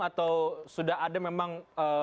atau sudah ada memang yang bisa kita lakukan